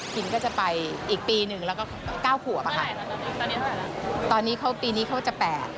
คินก็จะไปอีกปีนึงแล้วก็๙ผัวป่ะคะตอนนี้เขา๘ปีนี้เขาจะ๘